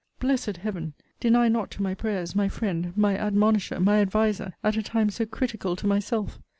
Blessed Heaven! deny not to my prayers, my friend, my admonisher, my adviser, at a time so critical to myself.